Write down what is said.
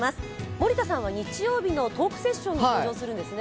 森田さんは日曜日のトークセッションに登場するんですね。